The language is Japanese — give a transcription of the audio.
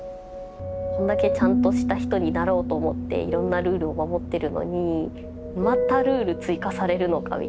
こんだけちゃんとした人になろうと思っていろんなルールを守ってるのにまたルール追加されるのか！